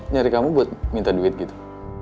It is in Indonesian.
nyari kamu buat minta duit gitu